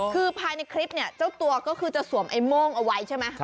คือภายในคลิปเนี่ยเจ้าตัวก็คือจะสวมไอ้โม่งเอาไว้ใช่ไหม